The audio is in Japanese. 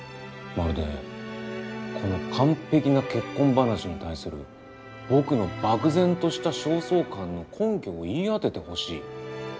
まるで「この完璧な結婚話に対する僕の漠然とした焦燥感の根拠を言い当ててほしい」とでも言いたげだな。